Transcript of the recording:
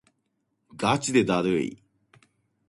がちでだるい